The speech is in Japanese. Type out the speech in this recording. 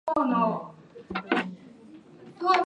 例えば、銀細工の紋章が表紙に付いた分厚い外国の本